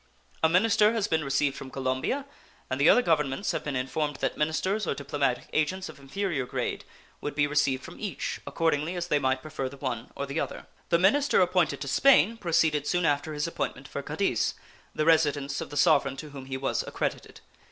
A minister has been received from Colombia, and the other Governments have been informed that ministers, or diplomatic agents of inferior grade, would be received from each, accordingly as they might prefer the one or the other. The minister appointed to Spain proceeded soon after his appointment for Cadiz, the residence of the Sovereign to whom he was accredited.